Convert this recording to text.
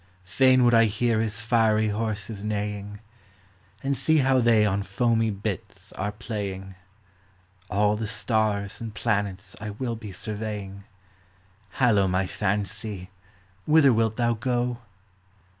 Fain would I hear his fiery horses neighing, And see how they on foamy bits are playing ; All the stars and planets I will be surveying ! Hallo, my fancy, whither wilt thou go